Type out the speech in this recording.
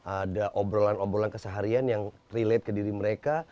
ada obrolan obrolan keseharian yang relate ke diri mereka